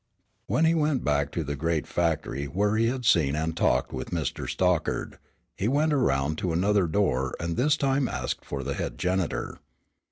When he went back to the great factory where he had seen and talked with Mr. Stockard, he went around to another door and this time asked for the head janitor.